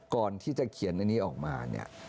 ก่อนที่จะเขียนอันนี้ออกมาเนี่ย